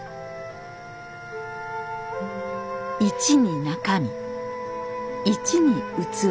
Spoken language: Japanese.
「一に中身一に器」。